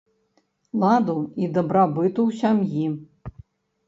Ладу і дабрабыту ў сям'і!